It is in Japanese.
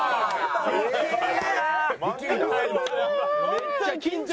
めっちゃ緊張。